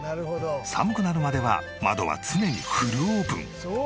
寒くなるまでは窓は常にフルオープン。